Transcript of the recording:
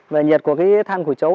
về nhiệt của cái than củi chấu